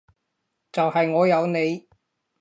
就係我有你